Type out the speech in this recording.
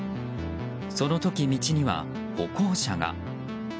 その時、道には歩行者が。